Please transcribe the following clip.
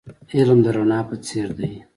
علم د رڼا په څیر دی .